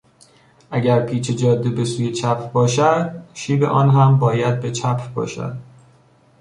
اگر پیچ جاده به سوی چپ باشد، شیب آن هم باید به چپ باشد.